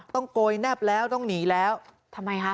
โกยแนบแล้วต้องหนีแล้วทำไมคะ